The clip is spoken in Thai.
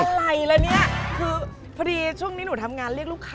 แล้วมึงไปที่นี่อะไรกันไม๊เนี่ยคือปะดิช่วงนี้หนูทำงานเรียกลูกค้าค่ะ